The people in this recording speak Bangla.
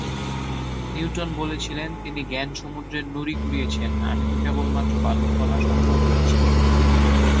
নিউটন বলেছিলেন তিনি জ্ঞানসমুদ্রের নুড়ি কুড়িয়েছেন, আমি তো কেবলমাত্র বালুর কণা সংগ্রহ করেছি।